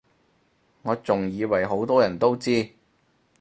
我仲以爲好多人都知